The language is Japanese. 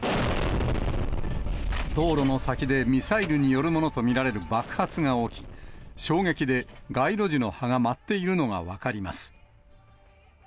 道路の先でミサイルによるものと見られる爆発が起き、衝撃で街路樹の葉が舞っているのが分かります。